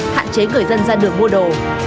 hạn chế người dân ra đường mua đồ